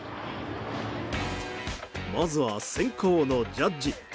まずは先攻のジャッジ。